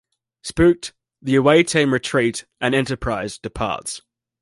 Spooked, the away team retreat and "Enterprise" departs.